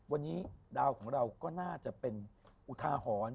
วันนี้ดาวของเราก็น่าจะเป็นอุทาหรณ์